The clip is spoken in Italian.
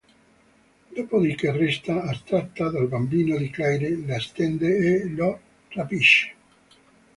Dopodiché, resta attratta dal bambino di Claire, la stende e lo rapisce.